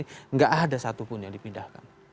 tidak ada satupun yang dipindahkan